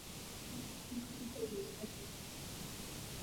Yaliwahi kuwa na amani katika eneo la kati Sahel huko Afrika magharibi.